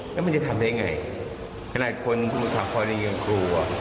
แล้วมันจะทำได้ยังไงขนาดคนสมุทรสาขอนยังกลัว